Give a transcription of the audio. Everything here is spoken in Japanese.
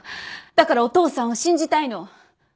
だからお父さんを信じたいの。